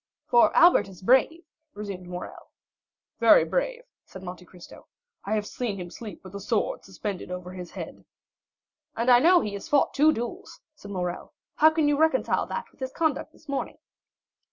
"For Albert is brave," resumed Morrel. "Very brave," said Monte Cristo; "I have seen him sleep with a sword suspended over his head." "And I know he has fought two duels," said Morrel. "How can you reconcile that with his conduct this morning?"